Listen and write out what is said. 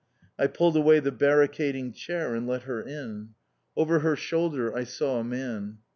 I pulled away the barricading chair, and let her in. Over her shoulder I saw a man.